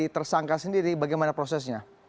tersangka sendiri bagaimana prosesnya